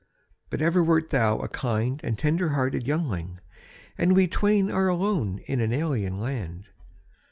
But ever wert thou a kind and tender hearted youngling, and we twain are alone in an alien land.